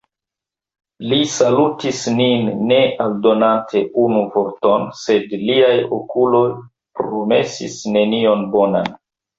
Li salutis nin ne aldonante unu vorton, sed liaj okuloj promesis nenion bonan.